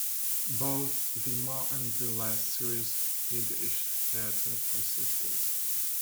Both the more and the less serious Yiddish theatre persisted.